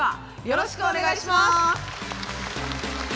よろしくお願いします。